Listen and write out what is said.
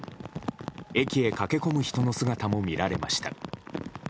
駅へ駆け込む人の姿も見られました。